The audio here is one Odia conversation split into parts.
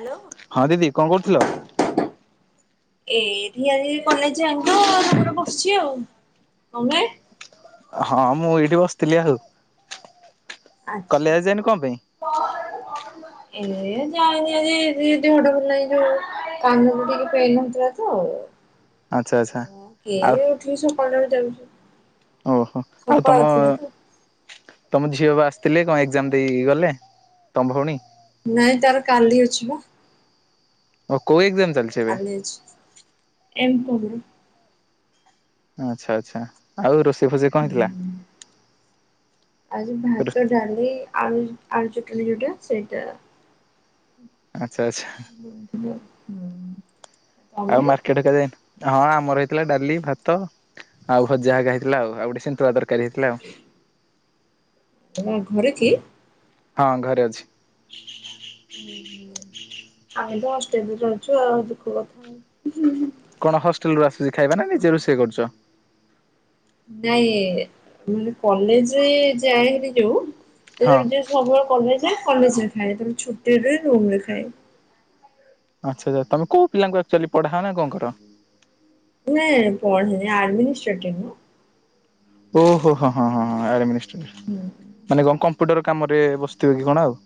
ହ୍ୟାଲୋ ହଁ ଦିଦି କଣ କରୁଥିଲ? ଏ ଧିଆରେ କଲେଜ ଯାନ୍ତୁ ବସିଛି ଆଉ ତମେ? ହଁ ମୁଁ ଏଇଠି ବସିଥିଲି ଆଉ। ଆଚ୍ଛା। ହ ଏ ଯାଇନି ଆ ବଡଲ ନାହିଁ ଯୋଉ କାନକୁ ଟିକେ ପେନ୍ ହଉଥିଲା ତ ହଁ ଆଚ୍ଛା ଆଚ୍ଛା। ଉ କିଏ ଉଠିକି ସକାଳଟାରେ ଯାଉଚି। ଓହୋ ଆଉ ତମ ତ। ତମ ଝିଅ ବା ଆସିଥିଲେ କଣ ଏଗ୍ଜାମ୍ ଦେଇକି ଗଲେ ତମ ଭଉଣୀ? ନାଇଁ ତାର କାଲି ଅଛିବା। ଆ କୋଉ ଏଗ୍ଜାମ୍ ଚାଲିଚି? ଆମେଯ୍ ଏମ୍ କୋବିଢ଼ି। ଆଚ୍ଛା ଆଚ୍ଛା ଆଉ ରୋଷେଇ ଫୋସେଇ କଣ ହେଇଥିଲା? ଆଜି ଭାତ, ଡ଼ାଲି, ଆଳୁ, ଆଳୁ, ଚଟଣି ଯୋଉଟା ସେଇଟା। ଆଚ୍ଛା ଆଚ୍ଛା। ଜାଣିଥିବ ହୁଁ। ଆଉ ମାର୍କେଟେ କାଲିଯାଇ ହଁ ଆମର ହେଇଥିଲା ଡ଼ାଲି ଭାତ ଆଉ ଭଜା ହାଗା ହେଇଥିଲା ଆଉ ଆଉ ଗୋଟେ ସନ୍ତୁଳା ତରକାରୀ ହେଇଥିଲା ଆଉ। ତମେ ଘରେ କି? ହଁ ଘରେ ଅଛି। ଓହୋ ଆମେ ତ ହଷ୍ଟେଲରେ ରହୁଛୁ ଆଉ ଦୁଃଖ କଥା। କଣ ହଷ୍ଟେଲରୁୁ ଆସିଛି ଖାଇବା ନା ନିଜେ ରୋଷେଇ କରୁଛ? ନାଇଁ ମାନେ କଲେଜ୍ ରେ ଯାଏ ବି ଯୋଉ ହଁ ତାପରେ ଡ୍ରେସ୍ ସବୁବେଳେ କଲେଜ୍ କଲେଜ୍ ରେ ଖାଏ ଯେତେଳେ ଛୁଟିରେ ରୁହେ ରୁମ୍ ରେ ଖାଏ। ଆଚ୍ଛା ଆଚ୍ଛା ତମେ କୋଉ ପିଲାଙ୍କୁ ଆକ୍ଚୁଲି ପଢ଼ାଅ ନା କଣକର? ନାଇଁ ପଢ଼େନି ଆଡ଼ମିନିଷ୍ଟ୍ରେଟର ଓହୋ ହ ହଁ ହଁ ହ ଆଡ଼ମିନିଷ୍ଟ୍ରେଟର ମାନେ କଣ କମ୍ପ୍ୟୁଟର କାମ ରେ ବସିଥିବେ କି କଣ ଆଉ।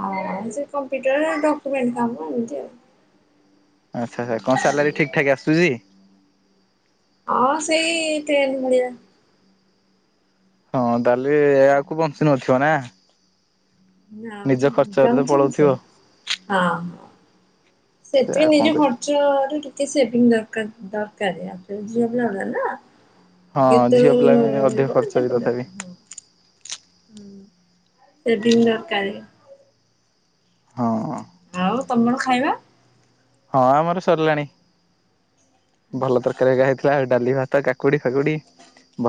ହଁ ସେ କମ୍ପ୍ୟୁଟର ଡକ୍ୟୁମେଣ୍ଟ କାମ ଏମିତି ଆଉ। ଆଚ୍ଛ ଆଛା କଣ ସାଲାରି ଠିକ୍ ଠାକ୍ ଆସୁଚି? ହଁ ସେଇ ଟେନ୍ ଭଳିଆ। ହଁ ଦାଲି ଆକୁ ବଞ୍ଚି ନଥିବ ନା? ନା ନିଜ ମ [unintelligible] ଖର୍ଚ୍ଚରେ ତ ପଳଉଥିବ। ସେ ହଁ ହଁ ସେ ସେତିକି ଆଉ କଣ ନିଜ ଖ କରିବ [unintelligible] କେତେ ସେଭିଙ୍ଗ ଦରକାର୍ ଦରକାର ଝିଅ ପିଲା ଗୁଡ଼ାନା। ହଁ ଯେତେଳେ ଝିଅ ପିଲା ପାଇଁ ଅଧିକ ଦେବେ ଖର୍ଚ୍ଚ ବି ଯେବେ ଯେବେ। ତଥାପି ହୁଁ ସେଭିଙ୍ଗ୍ ଦରକାର୍। ହଁ। ଆଉ ତମର ଖାଇବା? ହଁ ଆମର ସରିଲାଣି ଭଲ ଆଚ୍ଛା। ତରକାରୀ ହାଗା ହେଇଥିଲା ଡାଲି ଭାତ କା କାକୁଡ଼ି ଫାକୁଡ଼ି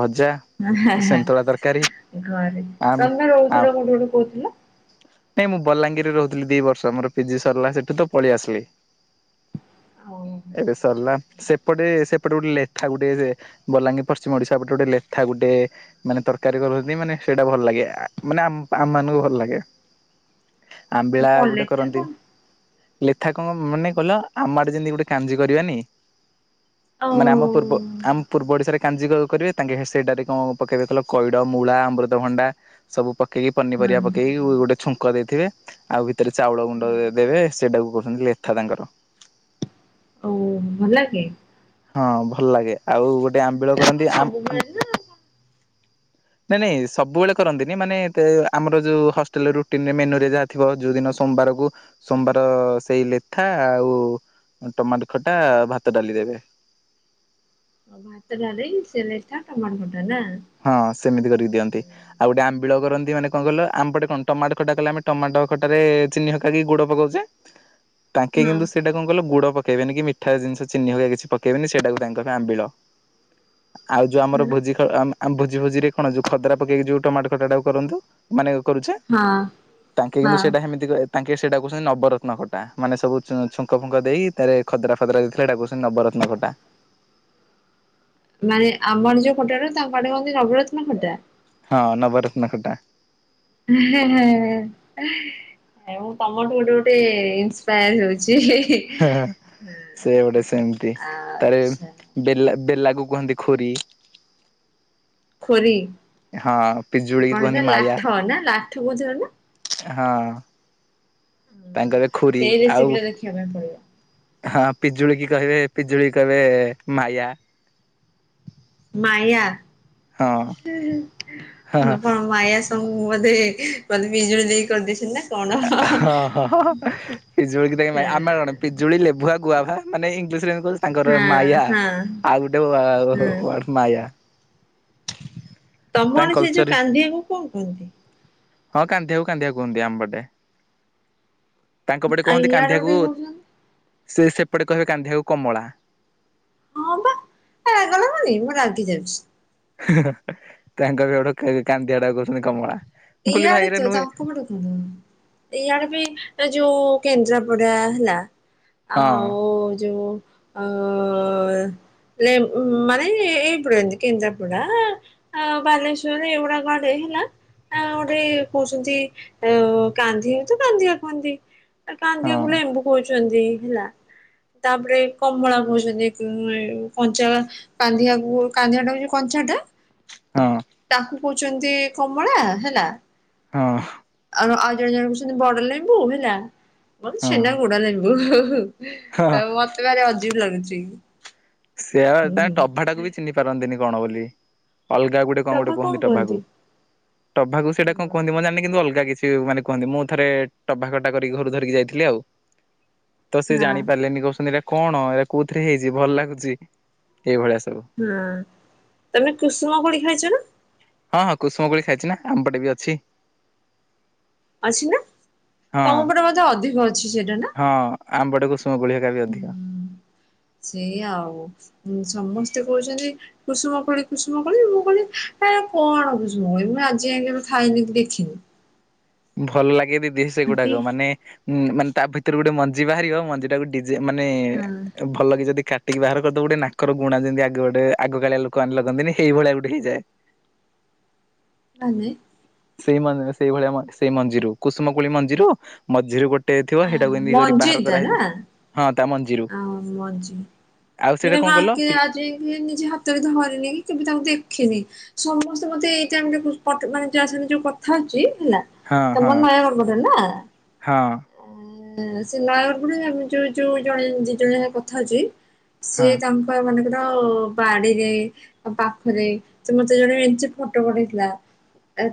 ଭଜା। ହା ହା ସେନ୍ତୁଳା ତରକାରୀ ଘରେ ଆମେ ତମେ ଆଉ ରହୁଥିଲ କୋଉଠୁ ଗୋଟେ କହୁଥିଲ? ନାଇଁ ମୁଁ ବଲାଙ୍ଗୀରରେ ରହୁଥିଲି ଦି ବର୍ଷ ମୋର ପିଜି ସରିଲା ସେଠୁତ ପଳିଆସିଲି। ଆଉ ଏବେ ଆଚ୍ଛା ସରିଲା ଆଚ୍ଛା। ସେ ସେପଟେ ସେପଟେ ଗୋଟେ ଲେଥା ଗୋଟେ ବଲାଙ୍ଗୀର ପଶ୍ଚିମ ଓଡ଼ିଶା ପଟେ ଗୋଟେ ଲେଥା ଗୋଟେ ମାନେ ତରକାରୀ କରନ୍ତି ମାନେ ସେଇଟା ଭଲ ଲାଗେ ମାନେ ଆମ ମାନଙ୍କୁ ଭଲ ଲାଗେ। ଆଉ ଆମ୍ବିଳା କଣ ଗୋଟେ ଲେଠା କରନ୍ତି। କଣ ଲେଥା କଣ ମାନେ କହିଲ ଆମଆଡ଼େ ଯେମିତି ଗୋଟେ କାଞ୍ଜି କରିବାନି ଆଉ ମାନେ ଆମ ପୂର୍ବ ଆମ ପୂର୍ବ ଓଡିଶାରେ କାଞ୍ଜି କରିବେ ତାଙ୍କେ ସେଇଟାରେ କଣ ପକେଇବେ କଇଲ କଇଡ଼ ମୂଳା ଅମୃତଭଣ୍ଡା ସବୁ ପକେଇକି ହଁ ପନିପରିବା ପକେଇକି ଗୋଟେ ଛୁଙ୍କ ଦେଇଥିବେ। ଆଉ ଭିତରେ ଚାଉଳ ଗୁଣ୍ଡ ହଁ ଦେବେ ସେଇଟାକୁ କହୁଛନ୍ତି ଲେଥା ତାଙ୍କର। ଓଉ ଭଲ ଲାଗେ? ହଁ ଭଲ ଲାଗେ ଆଉ ଗୋଟେ ଆମ୍ବିଳ କଣ କରନ୍ତି ଆ ଆ ସବୁବେଳେ ନା ନାଇଁ ନାଇଁ ସବୁବେଳେ କରନ୍ତିନି ମାନେ ତେ ଆମର ଯୋଉ ହଷ୍ଟେଲ ରୁଟିନ୍ ମେନୁରେ ଯାହା ଥିବ ଯୋଉ ଦିନ ସୋମବାରକୁ ସୋମବାର ସେଇ ଲେଥା ଆଉ ଆ ଟମାଟ ଖଟା ଭାତ ଡ଼ାଲି ଦେବେ। ହ ଭାତଟରେ ସେ ଲ ଟମ ଘଟା ନା ହଁ ସେମିତି କରିକି ଦିଅନ୍ତି ଆଉ ଗୋଟେ ଆମ୍ବିଳ କରନ୍ତି ମାନେ କଣ କ ଆମପଟେ କଣ ଟମାଟୋ ଖଟା କଲେ ଆମେ ଟମାଟ ଖଟାରେ ଚିନି ହକକି ଗୁଡ ପକଉଛେ ତାଙ୍କେ ହଁ କିନ୍ତୁ ସେଇଟା କଣ କହିଲ ଲଗୁଡ ପକେଇବେନି କି ମିଠା ଜିନିଷ ଚିନି ହଗ କିଛି ପକେଇବେନି ସେଟା ତାଙ୍କ ପାଇଁ ଆମ୍ବିଳ ଆଉ ଯୋଉ ଆମର ହଁ ଭୋଜି ଭୋଜି ଭୋଜିରେ କଣ ଯୋଉ ଖଦରା ପକେଇକି ଯୋଉ ଟମାଟ ଖଟାଟ ଟାକୁ କରନ୍ତୁ ମାନେ କରୁଛେ ହଁ ତାଙ୍କେ କିନ୍ତୁ ହଁ ସେଇଟା ସେମିତି ତାଙ୍କେ ସେଟା କହୁଛନ୍ତି ନବରତ୍ନ କଟା ମାନେ ସୁ ଛୁଙ୍କ ଫୁଙ୍କ ଦେଇ ତାରେ ଖଦରା ଫଦରା ଦେଇଥିଲେ ନବରତ୍ନ ଖଟା ମାନେ ଆମର ଯୋଉ ଖୋଟା ରୁ ତାଙ୍କ ଆଡେ କନ୍ତି ନବରତ୍ନ ଖଟା ହଁ ନବରତ୍ନ ଖଟା ହଁ ହଁ ମୁଁ ତମଠୁ ଗୋଟେ ଗୋଟେ ଇନ୍ସପାୟାର ହଉଛି ହଁ ହଁ ସେ ଗୋଟେ ସେମିତି ତାର ଆଚ୍ଛା ବେ ବେଲାକୁୁ କୁହନ୍ତି ଖୁରୀ ଖୋରି ହଁ ପିଜୁଳି କୁହନ୍ତି କହିଲ ମାୟା ଲାଠ ନା ଲାଠ ବୁଝ ନା ହଁ ତାଙ୍କରେ ଖୁରୀ ସେଇ ରେସିପି ଆଉ ଟା ଦେଖିବା ପାଇଁ ପଡିବ ହଁ ପିଜୁଳି କି କହିବେ ପିଜୁଳି କହିବେ ମାୟା ମାୟା ହଁ ହଁ ମାୟା ତ ମୁଁ ବୋଧେ ମତେ ପିଜୁଳି ଦେଇ କରିଦେଇଛନ୍ତି ନା କଣ? ହଁ ହ ପିଜୁଳିିକ ନେଇ ଆମେ ଜଣେ ପିଜୁଳି ଲେଭୁଆ ଗୁଆଭା ମାନେ ଇଙ୍ଗଲିଶ ରେ ତାଙ୍କର ହଁ ମାୟା ହଁ ଆଉ ହୁଁ ଗୋଟେ ମାୟା ତାଙ୍କ ତମଣ ସେ ଯୋଉ କଲଚର କାନ୍ଦିବାକୁ କଣ କହନ୍ତି? ହଁ କାନ୍ଦିକୁ କାନ୍ଦି କୁହନ୍ତି ଆମପଟେ। ତାଙ୍କପଟେ ଆଉ କହନ୍ତି ଇଆଡେ ଗୋଟେ କାନ୍ଧିଆକୁ କହୁଛନ୍ତି ସେ ସେପଟେ କହିବେ କାନ୍ଧିଆକୁ କମଳା। ହଁ ବା ରାଗଲା ମନି ମୁଁ ରାଗି ଯାଉଛି। ତାଙ୍କ ବି ଗୋଟେ କାନ୍ଦିଆ ଟା କହୁଛନ୍ତି କମଳା ମୁଁ କହଲିି ଭାଇରେ ନୁହେଁ। ହୁଁ ଏଇଆଡେ ବି ଯୋଉ କେନ୍ଦ୍ରାପଡା ହେଲା ଆ ହଁ ହଉ ଯୋଉ ଅ ଲ ମାନେ ଏପଡ଼ ଏନ୍ଦକ ଏନ୍ତପଡ଼ା [inaudible] ଅ ବାଲେଶ୍ଵର ଏଇଡା ଗାଡେ ହେଲା ଆଉ ଗୋଟେ କହୁଛନ୍ତି କାନ୍ଧି ତ କାଧିଆ କୁହନ୍ତି ହଁ କାନ୍ଦିଆ ବଲେ ଏ କଉଛନ୍ତି ହେଲା ତାପରେ କମଳା କଉଛନ୍ତି କଞ୍ଚା କାନ୍ଧିଆକୁ କାନ୍ଦିଆ ଟା ହଉଛି କଞ୍ଚା ଟା ହଁ। ତାକୁ କହୁଛନ୍ତି କମଳା ହେଲା। ହଁ। ଆ ଆଉ ଜଣେ ଜଣ କହୁଛନ୍ତି ବଡ ଲେମ୍ବୁ ହେଲା ହଁ। ଛେନା, ଗୁଡ, ଲେମ୍ବୁ। ହଁ ତ ମତେ ଭାର ଅଜୀବ ଲାଗୁଛି। ସେଆ ହୁଁ ତାଙ୍କ ହୁଁ। ଟଭାଟାକୁ ବି ଚିହ୍ନି ପାରନ୍ତିନି କଣ ବୋଲି ଅଲଗା ଗୁଟେ କଣ ରଭା ଗୋଟେ କହନ୍ତି କୁହନ୍ତି? ଟଭାକୁ ଟଭାକୁ ସେଟା କଣ ହଁ ହଁ କହନ୍ତି ମୁଁ ଜାଣି କିନ୍ତୁ ଅଲଗା କିଛି ମାନେ କୁହନ୍ତି ମୁଁ ଥରେ ଟଭା ଖଟା କରି ଘରୁ ଧରିକି ଯାଇଥିଲି ଆଉ। ତ ସେ ଜାଣିପାରିଲେନି କହୁଛନ୍ତି ଏଇଟା କଣ ଏଇଟା କୋଉଥିରେ ହେଇଛି ଭଲ ଲାଗୁଛି। ଏଇଭଳିଆ ସବୁ। ହୁଁ ତମେ କୁସୁମ କ ଖାଇଛ ନା? ହଁ ହଁ କୁସୁମ କୋଳି ଖାଇଛି ନା ଆମ ପଟେ ବି ଅଛି। ଅଛି ନା? ହଁ। ତମ ଉପ ମଧ ଅଧିକ ଅଛି ସେଇଟା ନା ହଁ ଆମ୍ବଟେ କୁସୁମ କୋଳି ହେକା ବି ହ। ଅଧିକ ସେଇ ଆଉ ସମସ୍ତେ କହୁଛନ୍ତି କୁସୁମ କଳି କୁସୁମ କଳି ମୁଁ କହିଲି କଣ କୁସୁମ କହ ମୁଁ ଆଜି ଯାଇକି ଏ ଖାଇନିକ ଦେଖିନି। ଭଲ ଲାଗେ ଦିଦି କି ସେଗୁଡାକ ମାନେ ଉଁ ମାନେ ତା ଭିତରେ ଗୋଟେ ମଞ୍ଜି ବାହାରିବ ମଞ୍ଜି ଟା ଗୋଟେ ମାନେ ହଁ ଭଲ ଲ କି ଯଦି କାଟିକି ବାହାର କରିଦବ ଗୋଟେ ନାକର ଗୁଣା ଯେମିତିଗ ଗୋଟେ ଆଗକାଳିଆ ଲୋକମାନେେ ଲଗନ୍ତିନିଇ ଭଳିଆ ଗୋଟେଇଯାଏ। ନାେ [inaudible] ସେଇ ସେଇଭଳିଆ ସେଇ ମଞ୍ଜିରୁ କୁସୁମକୁଳି ମଞ୍ଜିରୁ ମଝିରୁ ଗୋଟେ ଗୋଟେ ଥିବ ଆ, ସେଇଟାକୁ କେମିତି ବାହାର ମଞ୍ଜିଟା ନା? କରାହେଇଯିବ। ହଁ ତା ମଞ୍ଜିରୁ ଆଉ ମଞ୍ଜି ଆଉ ମୁଁ ସେଇଟା ତାଙ୍କ କଣ କଲ? ଆଖି ନିଜେ ହାତରେ ଧରିନି କି କେବେ ତାଙ୍କୁ ଦେଖିନି। ସମସ୍ତେ ମତେ ଏଇଟା ଆମେ ମାନେ ଯହା ସା ଯୋଉ କଥା ହଉଛି ହେଲା ହଁ ତ ହଁ ମୁନ ମୟ କରରପଟ ନା ଆ ହଁ ସେ ନୟର ବୋଲିମ ଯୋଉ ଯୋଉ ଜଣେ ଦି ଜଣ କଥା ଅଛି ହଁ ସିଏ ତାଙ୍କ ମାନଙ୍କର ବାଡିରେ ଆଉ ପାଖରେ ତ ମତେ ଜଣେ ଏମତି ଫଟୋ ପଠେଇଥିଲା।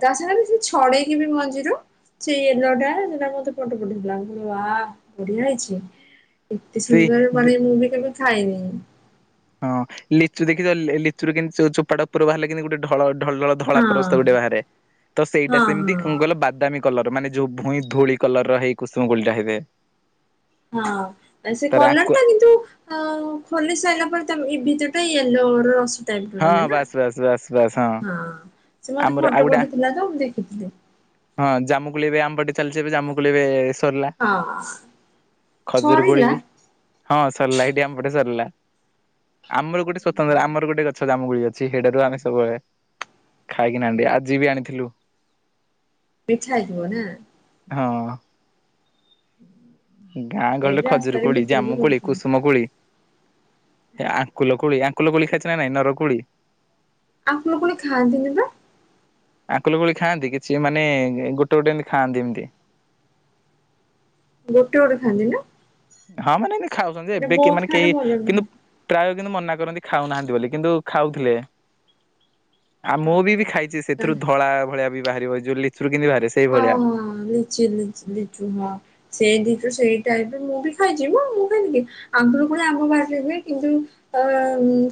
ତା ସାଙ୍ଗରେ ସେ ଛଡେଇକି ବି ମଞ୍ଜିରୁ ସେଇ ନଅଟା ସେଟା ମତେ ପଟ ପଠେଇଥିଲା ବା ବଢିଆ ହେଇଛି। ଏତେ ସୁନ୍ଦର ସେଇ ମାନେ ମୁଁ ବି କେବେ ଖାଇନି। ହଁ ଲିଚୁ ଦେଖି ଲିଚୁ କେ ଚୋପାଟା ଉପରୁ ବାହାରିଲ କିନ୍ତୁ ଗୋଟେଢଳ ଢଳଢଳ ଧଳାପରସ୍ତ ହଁ। ଗୋଟେ ବାହାରେ ତ ହଁ ସେଇଟା ସେମିତି ହଁ କଣ କିଲ ବାଦାମୀ କଲର ମାନେ ଯୋଉ ଭୁଇ ଧୂଳି କଲର ହେଇ କୁସୁମ ଗୁଳିଟା ହେବେ। ହଁ ସେ କଲର ଆଙ୍କୁ ଟା କିନ୍ତୁ ଆଉ ଖୋଲି ସାରିଲା ପରେ ତମ ଏ ଭିତ ଟା ୟେଲୋ ରସ। ହଁ ବାସ୍ ବାସ୍ ବାସ୍ ବାସ୍ ହଁ ସେ ମତେ ଆମର ଆଉ ଫଟ ଗୋଟେ ପଠିଥିଲା ତ ମୁଁ ଦେଖିଥିଲି। ହଁ ଜାମୁକୁ ଲ ଏବେ ଆମ୍ବାଟି ଚାଲିଛି ଏବେ ଜାମୁକୁ ଲେବେ ହଁ ଖଜୁର କୋଳି ସରିଲା ବି ହଁ ସରିଲା ଏଠି ଆମ। ଟେ ସରିଲା ଆମର ଗୋଟେ ସ୍ଵତନ୍ତ୍ର ଆମର ଗୋଟେ। ଗଛ ଜାମ ଗୁଳି ଅଛି ସେଟାରୁ ଆମେ ସବୁବେଳେ ଖାଇକିନାହାନ୍ତି ଆଜି ବି ଆଣିଥିଲୁ। ବିଛା ହୋଉଥିବା ନାଁ ହଁ ଗାଁ ଗହଳି ଏଠି ରେ ଖଜୁରୀ, ରାସ୍ତାରେ କୋଳି, ବିକ୍ରି ବି ଜାମୁ, କୋଳି, କରୁଛନ୍ତି। କୁସୁମ କୋଳି। ଆଙ୍କୁଲ, କୋଳି, ଆଙ୍କୁଲ, କୋଳି ଖାଇଛି ନା ନାଇଁ ନରକୋଳି। ଅପୁଲୁ କୁଲି ଖାଆନ୍ତିନି ବା ଆକୁଲୁ ଗୋଳି ଖାଆନ୍ତି କିଛି ମାନେ ଗୋଟେ ଗୋଟେ ଏମିତି ଖାଆନ୍ତି ଏମିତି। ଗୋଟେ ଗୋଟେ ଖାନ୍ତି ନା ହଁ ମାନେ ଖାଉଛନ୍ତି ଯେ ସେଟା ଏବେ କି ବହୁତ ମାନେ ଖାଇଲେ କେହି ଭଲ କିନ୍ତୁ। ନୁହେଁ। ପ୍ରାୟ କିନ୍ତୁ ମନା କରନ୍ତି ଖାଉନାହାନ୍ତି ବୋଲି କିନ୍ତୁ ଖାଉଥିଲେ। ଆଉ ମୁଁ ବି ଖାଇଛି ହଁ ସେଥିରୁ ଧଳା ଭଳିଆ ବି ବାହାରିବ ଯୋଉ ଲିଚରୁ କେମିତି ବାହାରେ। ସେଇ ଭଳିଆ ହଁ ହଁ ଲିଚିଚି ଲିଚୁ ହଁ ସେଇ ଦିୁ ସେଇ ଟାଇପରେ ମୁଁ ବି ଖାଇଛି ମୁ ମୁଁ ଖାଇକି। ଆଗରୁ ପଣି ଆଗ ବାହାରିଲେ ହୁଏ କିନ୍ତୁ ଅ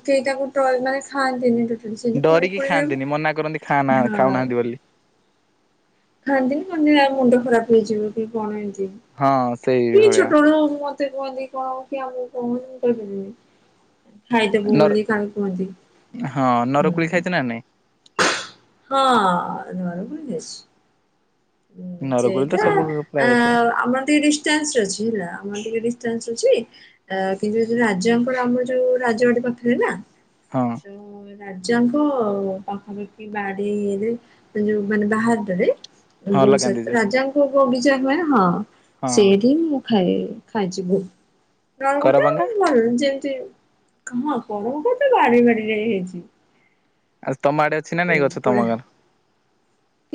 ସେଇଟାକୁ ମାନେ ଖାଆନ୍ତିନି ସେ ଡରିକି ପଣପଳ ଖାଆନ୍ତିନି ମନା କରନ୍ତି ଖାନା ହଁ ଖାଉନାହାନ୍ତି ବୋଲି ଖାଆନ୍ତିନି କନ୍ତି ମୁଣ୍ଡ ଖରାପ ହେଇଯିବ କି କଣ ଏମିତି ହଁ ସେଇ କି ଭଳିଆ ଛୋଟବେଳୁ। ତତେ କୁହନି କଣ କି ଆମକୁ କହ ମୁଁ କହିପାରିବି। ଖାଇଦେବୁ ନର ବୋଲି କାହି କୁହନ୍ତି ହଁ ହୁଁ। ନରକୋଳି ଖାଇଛ ନା ନାଇଁ ହଁ ଆର ଭୁଲସ ହୁଁ ନରକୋଳି ତ ସେଇଟା ସବୁ ଆ ପ୍ରାୟ ଥିବ ଆ ଡିାନ୍ସ ଅଛି ହେଲା ଆମର ଟିକେ ଡିଷ୍ଟାନ୍ସ ଅଛି। ଅ କିନ୍ତୁ ଯ ଯୋଉ ରାଜାଙ୍କର ଆମର ଯୋଉ ରାଜ ଆଟ ପାଖରେ ନା ହଁ ରାଜାଙ୍କ ପାଖାପାଖି ବାଡି ଇରେ ଯୋଉ ମାନେ ବାହାରରେ। ହଁ ଲଗାନ୍ତି ଯୋଉ ରାଜାଙ୍କ ବଗିଚା ପା ହଁ ହଁ ସେଠିଁ ମୁଁ ଖାଏ ଖାଇଛି ମୁଁ ତେ ହଁ କରବଙ୍ଗା କଣ [unintelligible] ତ ବାରି ବାରି ହେଇଛି। ଆ ତମ ଆଡେ ଅଛି ନା ନାଇ ଗଛ ଏଗୁଡା ତମର।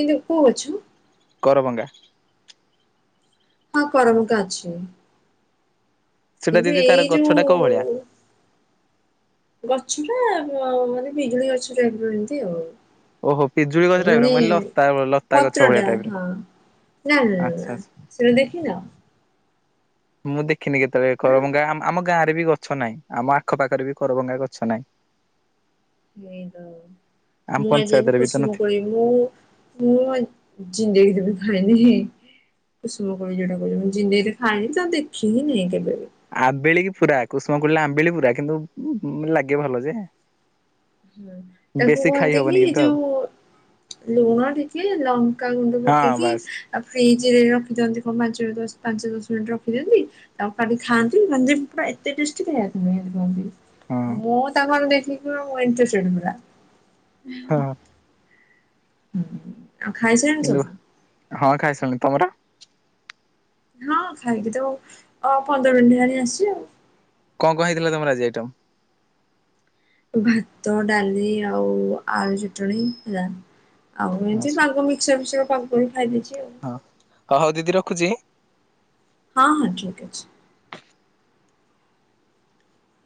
କିନ୍ତୁ କୋଉ ଗଛ କରମଙ୍ଗା। ହଁ କରମଙ୍ଗା ଅଛି। ସେଟା କିନ୍ତୁ ଦିଦି ତାର ଏଇ ଯୋଉ ଗଛଟା କୋଉ ଭଳିଆ? ଗଛ ଟା ଅ ମାନେ ବିଜୁଳି ଗଛଟା ଟାଇପ୍ ର ଏମିତି ଆଉ। ଓହୋ ପିଜୁଳି ଗଛ ଟାଇପ୍ ର ମାନେ ମୁଁ ଭାବିଲି ଲତା ଲତା ଗଛ ପତ୍ର ଭଳିଆ ଟା ଟାଇପ୍ ର ହଁ। ନା ଆଚ୍ଛା ନା ଆଚ୍ଛା। ସେମିତି ଦେଖିନ? ମୁଁ ଦେଖିନି କେତେଳେ ଆଁ, କରମଙ୍ଗା ଆମ ଗାଁରେ ବି ଗଛ ନାହିଁ ଆମ ଆଖ ପାଖରେ ବି କରମଙ୍ଗା ଗଛ ନାହିଁ। ଏଇ ଆମ ମୁଁ ଏ ଯୋଉ ପଞ୍ଚାୟତରେ ବି ତ କୁସୁମ ନଥିବ। କୋଳି। ମୁଁ ମୁଁ ଜିନ୍ଦେଗି ରେ ବି ଖଇନି। ଏ ସବୁ [unintelligible] ମୁଁ ଜିନ୍ଦେଗିରେ ଖାଇନି କି ଦେଖିନି ହିଁ କେବେ ବି। ଆମ୍ବେଳି କି ପୁରା କୁସୁମ କୋଳି ଆମ୍ବେଳି ପୁରା କିନ୍ତୁ ଲାଗେ ଭଲ ଯେ ହୁଁ ତାକୁ ବେଶୀ ଖାଇ କହନ୍ତି ହବନି କି କିନ୍ତୁ ଆଉ ଯୋଉ ଲୁଣ ଟିକେ ଲଙ୍କା ଗୁଣ୍ଡ ହଁ ପକେଇକି ବାସ୍ ଆଉ ଫ୍ରିଜ ରେ ରଖି ଦିଅନ୍ତି କଣ ପାଞ୍ଚ ପାଞ୍ଚ ଦଶ ମିନିଟ ରଖି ଦିଅନ୍ତି ତା ପରେ ଖାଆନ୍ତି ମାନେ ପୁରା ଏତେ ଟେଷ୍ଟି ହଁ [unintelligible] ମୁଁ ତା ଦେଖିକିନା ଇମ୍ପ୍ରେସନ୍ ଟା। ହଁ ହୁଁ ଆଉ ଖାଇସରିଲାଣି କିନ୍ତୁ ସବୁ। ହଁ ଖାଇସରିଲାଣି ତମର? ହଁ ଖାଇକି ତ ଅ ପନ୍ଦର ମିନିଟା ହେଲାଣି ଆସିଛି ଆଉ। କଣ କଣ ହେଇଥିଲା ତମର ଆଜି ଆଇଟମ୍? ଭାତ ଡାଲି ଆଉ ଆଳୁ ଚଟଣି ହେଲା। ଆଉ ଏମତି ଆଚ୍ଛା ପାଗ ମିକ୍ସର ଫିକସର କରିଦେଇ ଖାଇଦେଇଛି ଆଉ। ହ ହଁ ହଉ ଦିଦି ରଖୁଛି। ହଁ ହଁ ଠିକ ଅଛି।